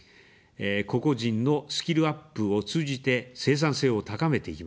個々人のスキルアップを通じて生産性を高めていきます。